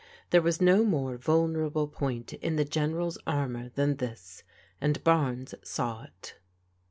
There was no more vulnerable point in the General's armour than this, and Barnes saw it.